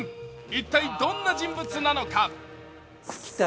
一体どんな人物なのか？